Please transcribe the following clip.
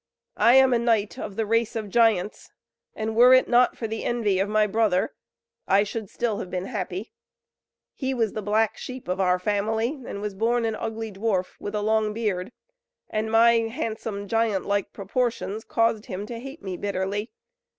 I am a knight of the race of giants, and were it not for the envy of my brother, I should still have been happy. He was the black sheep of our family, and was born an ugly dwarf, with a long beard; and my handsome giant like proportions caused him to hate me bitterly.